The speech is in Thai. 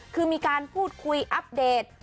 คือมีการพูดคุยอัปเดต